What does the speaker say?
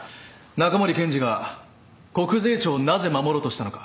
中森検事が国税庁をなぜ守ろうとしたのか。